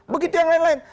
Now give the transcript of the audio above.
begitu yang lain lain